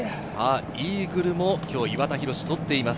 イーグルも今日、岩田寛が取っています。